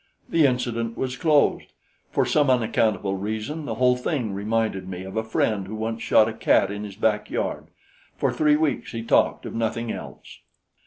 The incident was closed. For some unaccountable reason the whole thing reminded me of a friend who once shot a cat in his backyard. For three weeks he talked of nothing else.